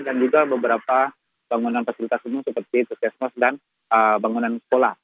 dan juga beberapa bangunan fasilitas rumah seperti kusiasmos dan bangunan sekolah